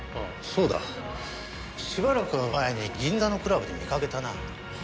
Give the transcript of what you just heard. そうだしばらく前に銀座のクラブで見かけたな。